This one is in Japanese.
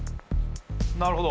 なるほど。